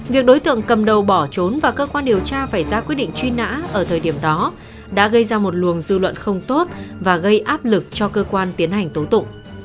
việc đối tượng cầm đầu bỏ trốn và cơ quan điều tra phải ra quyết định truy nã ở thời điểm đó đã gây ra một luồng dư luận không tốt và gây áp lực cho cơ quan tiến hành tố tụng